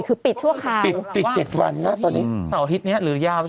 คือปิดชั่วคราว